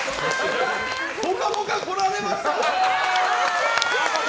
「ぽかぽか」、来られました！